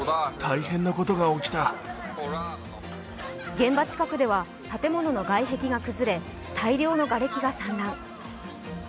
現場近くでは建物の外壁が崩れ大量のがれきが散乱。